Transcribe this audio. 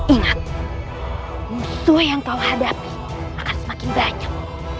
ingat musuh yang kau hadapi akan semakin banyak